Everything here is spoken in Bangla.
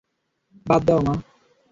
বাদ দেও, মা?